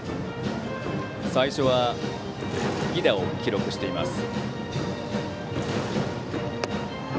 最初は犠打を記録しています。